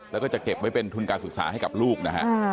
แล้วก็จะเก็บไว้เป็นทุนการศึกษาให้กับลูกนะฮะ